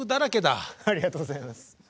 ありがとうございます。